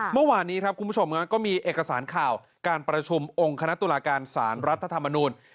เมื่อวานนี้ครับคุณผู้ชมก็มีเอกสารข่าวการประชุมองค์คณะตุลาการสารรัฐธรรมนูล